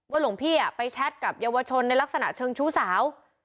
หลวงพี่ไปแชทกับเยาวชนในลักษณะเชิงชู้สาว